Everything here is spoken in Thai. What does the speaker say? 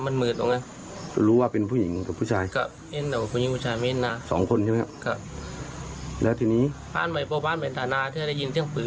ไม่ได้รู้จักอะไรกับเขาเลย